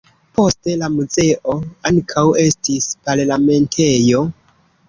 Poste la muzeo ankaŭ estis parlamentejo.